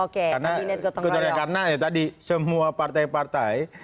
karena ya tadi semua partai partai